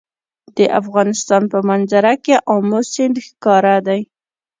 د افغانستان په منظره کې آمو سیند ښکاره دی.